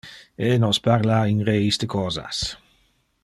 E nos parla in re iste cosas.